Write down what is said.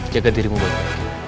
jaga dirimu baik baik